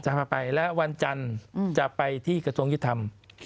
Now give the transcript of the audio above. พาไปและวันจันทร์จะไปที่กระทรวงยุติธรรม